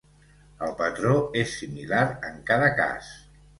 El patró és similar en cada cas.